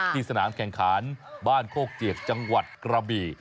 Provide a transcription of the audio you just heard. สนามแข่งขันบ้านโคกเจียกจังหวัดกระบี่